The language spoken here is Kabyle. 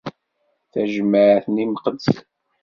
Tajmaɛt n yimqeddsen.